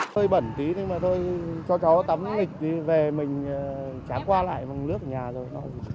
thôi bẩn tí nhưng mà thôi cho chó tắm thì về mình tráng qua lại vòng nước ở nhà rồi